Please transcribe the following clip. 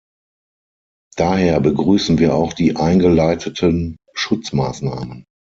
Daher begrüßen wir auch die eingeleiteten Schutzmaßnahmen.